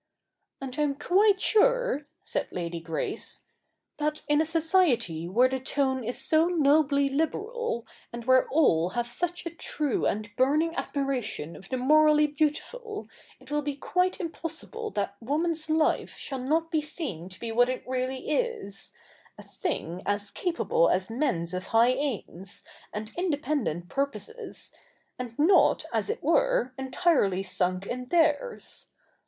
'And I'm quite sure,' said Lady Grace, 'that in a society where the tone is so nobly liberal, and where all 224 THE NEW REPUBLIC [rk. iv have such a true and burning admiration of the morally beautiful, it will be quite impossible that woman's life shall not be seen to be what it really is — a thing as capable as men's of high aims, and independent pur poses, and not, as it were, entirely sunk in theirs.